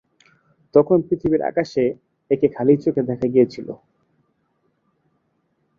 তখন পৃথিবীর আকাশে একে খালি চোখে দেখা গিয়েছিল।